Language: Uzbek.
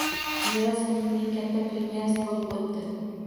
“Meros” filmining katta premerasi bo‘lib o‘tdi